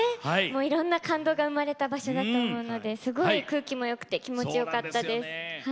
いろんな感動が生まれた場所だと思うのですごい空気もよくて気持ちよかったです。